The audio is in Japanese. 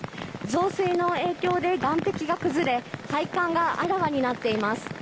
増水の影響で岸壁が崩れ配管があらわになっています。